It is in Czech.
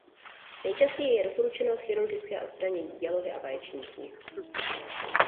Nejčastěji je doporučeno chirurgické odstranění dělohy a vaječníků.